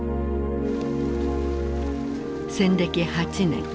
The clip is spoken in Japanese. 戦歴８年。